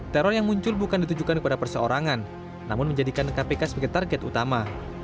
teror yang muncul bukan ditujukan kepada perseorangan namun menjadikan kpk sebagai target utama